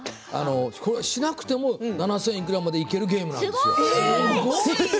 しなくても７０００いくらくらいまでいけるゲームなんですよ。